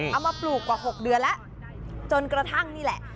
เอามาปลูกกว่า๖เดือนแล้วจนกระทั่งนี่แหละ